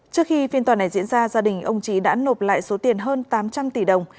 trước khi phiên tòa này diễn ra gia đình ông trí đã nộp lại số tiền hơn tám trăm linh tỷ đồng